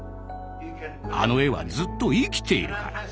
あの絵はずっと生きているから。